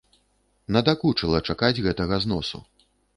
Надакучыла чакаць гэтага зносу.